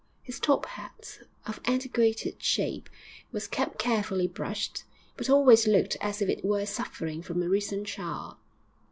His top hat, of antiquated shape, was kept carefully brushed, but always looked as if it were suffering from a recent shower.